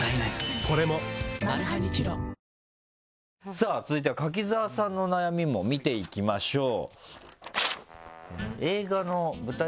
さぁ続いては柿澤さんの悩みも見ていきましょう。